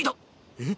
えっ⁉